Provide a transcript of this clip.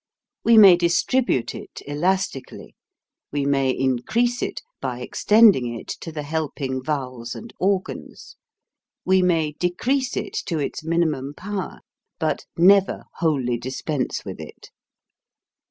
We may distribute it elastically, we may increase it, by extending it to the helping vowels and organs, we may decrease it to its minimum power but never wholly dispense with it.